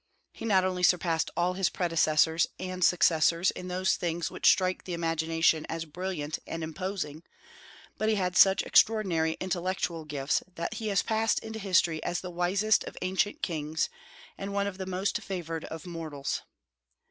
He not only surpassed all his predecessors and successors in those things which strike the imagination as brilliant and imposing, but he had such extraordinary intellectual gifts that he has passed into history as the wisest of ancient kings, and one of the most favored of mortals.